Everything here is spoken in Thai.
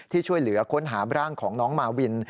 ช่วยเหลือค้นหาร่างของน้องมาวิน